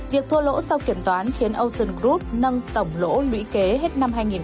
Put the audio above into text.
việc thua lỗ sau kiểm toán khiến ocean group nâng tổng lỗ lũy kế hết năm hai nghìn hai mươi một lên hai bảy trăm hai mươi sáu tỷ đồng